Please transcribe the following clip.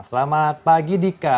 selamat pagi dika